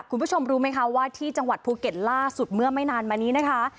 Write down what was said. คุณผู้ชมรู้ไหมคะว่าที่จังหวัดภูเก็ตล่าสุดเมื่อไม่นานมานี้นะคะ